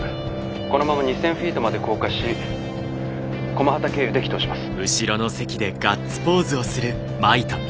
このまま２，０００フィートまで降下し駒畠経由で帰投します。